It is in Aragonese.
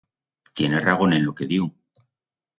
Tiene ragón en lo que diu.